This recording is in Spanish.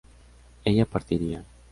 ¿ella partiría?